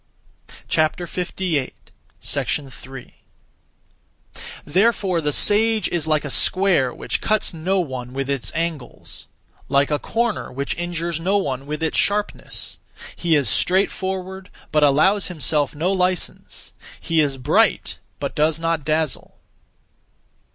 3. Therefore the sage is (like) a square which cuts no one (with its angles); (like) a corner which injures no one (with its sharpness). He is straightforward, but allows himself no license; he is bright, but does not dazzle.